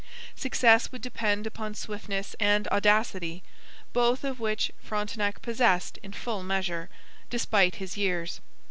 Success would depend upon swiftness and audacity, both of which Frontenac possessed in full measure, despite his years.